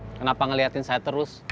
kenapa ngeliatin saya terus